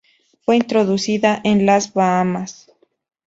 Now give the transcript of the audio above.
Fue introducida en las Bahamas.